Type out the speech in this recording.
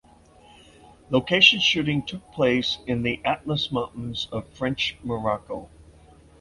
Location shooting took place in the Atlas Mountains of French Morocco.